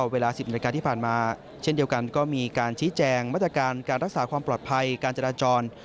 เวลา๑๐นาฬิกาที่ผ่านมาเช่นเดียวกันก็มีการชี้แจงมาตรการการรักษาความปลอดภัยการจราจร